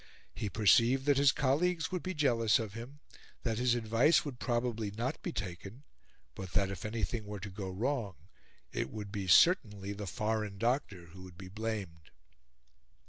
He perceived that his colleagues would be jealous of him, that his advice would probably not be taken, but that, if anything were to go wrong, it would be certainly the foreign doctor who would be blamed.